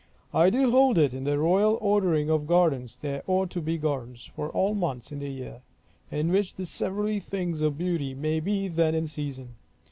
I do hold it, in the royal ordering of gardens, there ought to be gardens, for all the months in the year; in which severally things of beauty may be then in season.